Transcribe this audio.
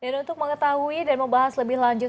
dan untuk mengetahui dan membahas lebih lanjut